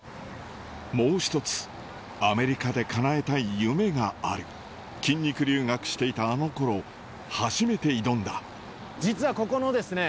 もう１つアメリカで叶えたい夢がある筋肉留学していたあの頃初めて挑んだ実はここのですね